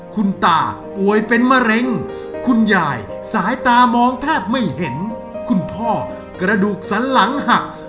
คุณตาป่วยเป็นมะเร็งคุณยายสายตามองแทบไม่เห็นคุณพ่อกระดูกสันหลังหัก